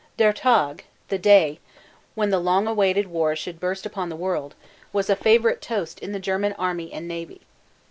"Der Tag" (dĕr tahkh), "the day" when the long awaited war should burst upon the world, was a favorite toast in the German army and navy.